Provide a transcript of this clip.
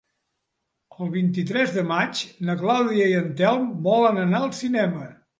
El vint-i-tres de maig na Clàudia i en Telm volen anar al cinema.